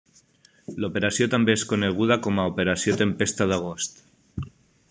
L'operació també és coneguda com a Operació Tempesta d'Agost.